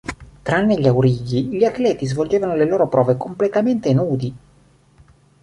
Tranne gli aurighi, gli atleti svolgevano le loro prove completamente nudi.